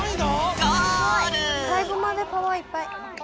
さいごまでパワーいっぱい！